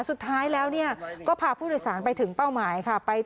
สุดท้ายแล้วก็พาผู้โดยสารไปถึงเป้าหมายค่ะ